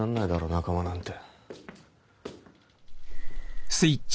仲間なんて。